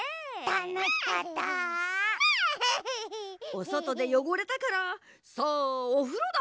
おそとでよごれたからさあおふろだ！